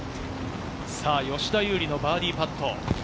吉田優利のバーディーパット。